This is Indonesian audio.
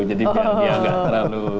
jadi biar dia gak terlalu